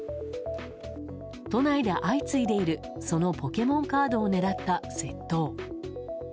都内で相次いでいるそのポケモンカードを狙った窃盗。